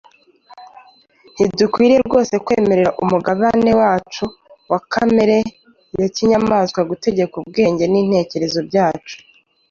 ntidukwiriye rwose kwemerera umugabane wacu wa kamere ya kinyamaswa gutegeka ubwenge n'intekerezo byacu